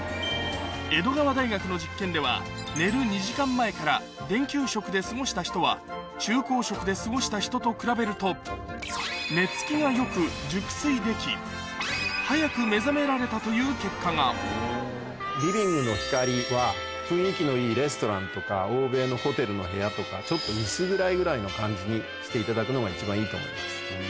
江戸川大学の実験ではで過ごした人は昼光色で過ごした人と比べると寝付きが良く熟睡でき早く目覚められたという結果がリビングの光は雰囲気のいいレストランとか欧米のホテルの部屋とかちょっと薄暗いぐらいの感じにしていただくのが一番いいと思います。